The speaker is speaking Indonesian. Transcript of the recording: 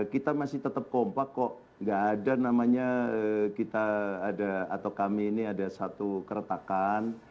kita masih tetap kompak kok nggak ada namanya kita ada atau kami ini ada satu keretakan